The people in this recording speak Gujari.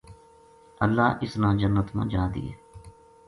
اللہ اس نے جنت ما جا دیئے